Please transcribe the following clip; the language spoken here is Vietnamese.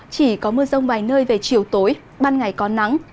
chỉ có mưa rông vài nơi về chiều tối ban ngày có nắng